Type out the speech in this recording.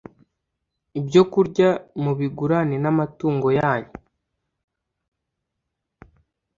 ibyokurya mubigurane namatungo yanyu